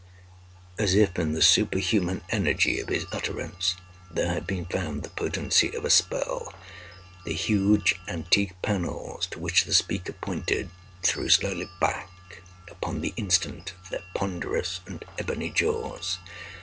As if in the superhuman energy of his utterance there had been found the potency of a spell—the huge antique pannels to which the speaker pointed, threw slowly back, upon the instant, their ponderous and ebony jaws.